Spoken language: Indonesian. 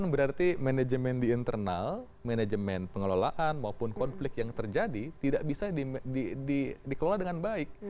berarti manajemen di internal manajemen pengelolaan maupun konflik yang terjadi tidak bisa dikelola dengan baik